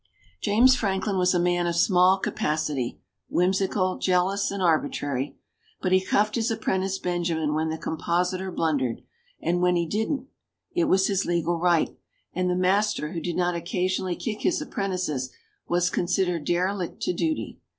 James Franklin was a man of small capacity, whimsical, jealous and arbitrary. But if he cuffed his apprentice Benjamin when the compositor blundered, and when he didn't, it was his legal right; and the master who did not occasionally kick his apprentices was considered derelict to duty.